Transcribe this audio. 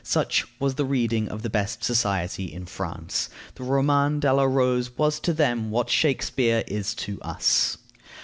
Such was the reading of the best society in France. The Roman de la Rose was to them what Shakspeare is to us.